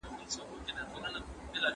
زه به سبا کتابونه ليکم؟!